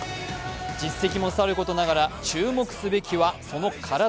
実績もさることながら、注目すべきは、その体。